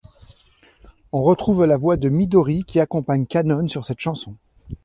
On retrouve la voix de Midori qui accompagne Kanon sur cette chanson.